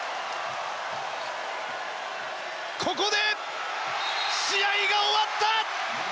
ここで試合が終わった！